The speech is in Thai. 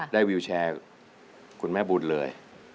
วิวแชร์คุณแม่บุญเลย